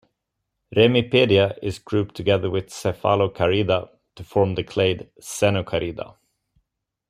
Remipedia is grouped together with Cephalocarida to form the clade Xenocarida.